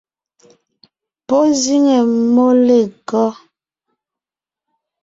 Pɔ́ zíŋe mmó lêkɔ́?